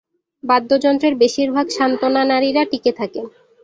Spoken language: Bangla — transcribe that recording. বাদ্যযন্ত্রের বেশিরভাগ সান্ত্বনা নারীরা টিকে থাকে।